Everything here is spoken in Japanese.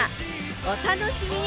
お楽しみに！